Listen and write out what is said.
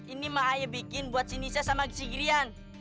ini mah ayo bikin buat si nisha sama si girian